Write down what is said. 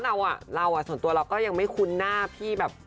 เออหรอแต่ว่าน้อยส่วนตัวเราก็ยังไม่คุ้นหน้าพี่แบบ